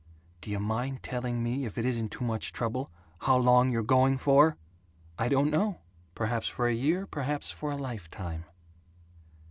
"Do you mind telling me, if it isn't too much trouble, how long you're going for?" "I don't know. Perhaps for a year. Perhaps for a lifetime."